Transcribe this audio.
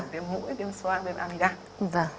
viêm mũi viêm xoan viêm amida